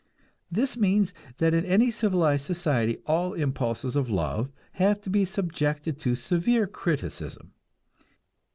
This means that in any civilized society all impulses of love have to be subjected to severe criticism.